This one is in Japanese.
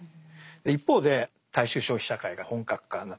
一方で大衆消費社会が本格化になっていきます。